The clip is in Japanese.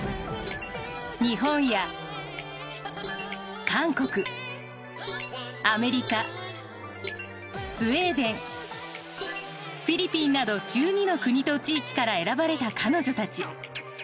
日本や韓国アメリカスウェーデンフィリピンなど１２の国と地域から選ばれた彼女たち。